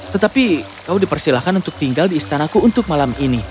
tetapi kau dipersilahkan untuk tinggal di istanaku untuk malam ini